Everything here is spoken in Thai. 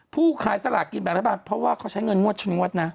ขายสลากกินแบ่งรัฐบาลเพราะว่าเขาใช้เงินงวดชนงวดนะ